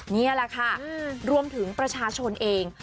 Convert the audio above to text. นี่แหละค่ะรวมถึงประชาชนเอง